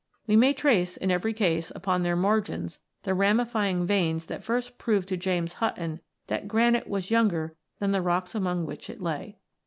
We may trace, in every case, upon their margins the ramifying veins that first proved to James Button that granite was younger than the rocks among which it lay.